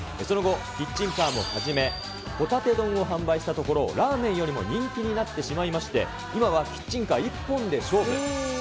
その後、キッチンカーも始め、ほたて丼を販売したところ、ラーメンよりも人気になってしまいまして、今はキッチンカー一本で勝負。